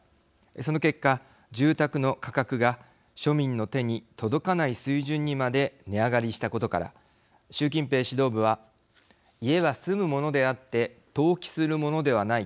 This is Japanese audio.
その結果住宅の価格が庶民の手に届かない水準にまで値上がりしたことから習近平指導部は家は住むものであって投機するものではないと警告。